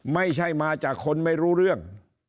ไม่ใช่มาจากคนไม่รู้เรื่อง